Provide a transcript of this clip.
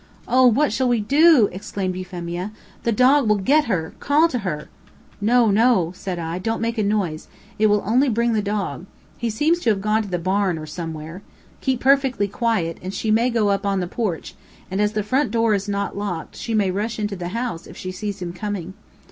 "Oh, what shall we do" exclaimed Euphemia. "The dog will get her. Call to her!" "No, no," said I, "don't make a noise. It will only bring the dog. He seems to have gone to the barn, or somewhere. Keep perfectly quiet, and she may go up on the porch, and as the front door is not locked, she may rush into the house, if she sees him coming."